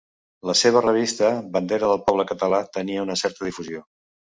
La seva revista, Bandera del Poble Català, tenia una certa difusió.